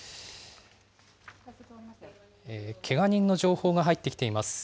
けが人の情報が入ってきています。